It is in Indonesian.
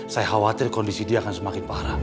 saya khawatir kondisi dia akan semakin parah